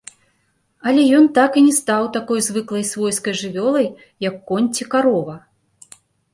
Але ён так і не стаў такой звыклай свойскай жывёлай, як конь ці карова.